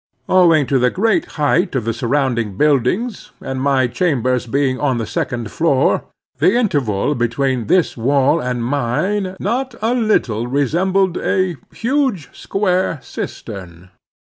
Owing to the great height of the surrounding buildings, and my chambers being on the second floor, the interval between this wall and mine not a little resembled a huge square cistern.